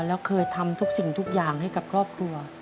แล้วเคยทำทุกสิ่งทุกอย่างให้กับครอบครัว